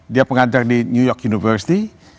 dia pengantar di new york university